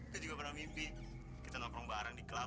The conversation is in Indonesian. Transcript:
kita juga pernah mimpi kita nongkrong bareng di klub